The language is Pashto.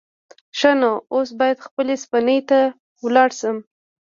_ښه نو، اوس بايد خپلې سفينې ته لاړ شم.